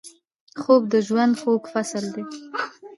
خوب د ژوند خوږ فصل دی